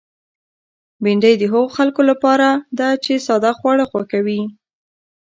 بېنډۍ د هغو خلکو لپاره ده چې ساده خواړه خوښوي